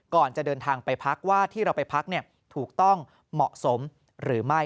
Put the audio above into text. ก่อนจะเดินทางไปพักว่าที่เราไปพักถูกต้องเหมาะสมหรือไม่